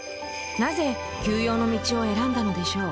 なぜ休養の道を選んだのでしょう？